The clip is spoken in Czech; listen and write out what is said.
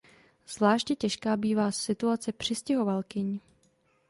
Zvláště těžká bývá situace přistěhovalkyň.